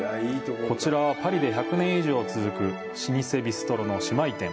こちらは、パリで１００年以上続く老舗ビストロの姉妹店。